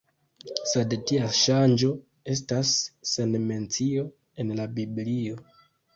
Sed tia ŝanĝo estas sen mencio en la Biblio.